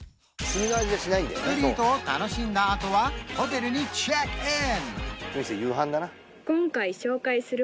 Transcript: ストリートを楽しんだあとはホテルにチェックイン！